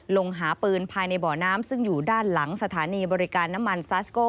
ลงหาปืนภายในบ่อน้ำซึ่งอยู่ด้านหลังสถานีบริการน้ำมันซาสโก้